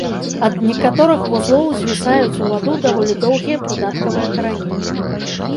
Ад некаторых вузлоў звісаюць у ваду даволі доўгія прыдаткавыя карані.